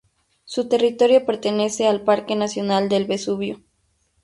Su territorio pertenece al Parque nacional del Vesubio.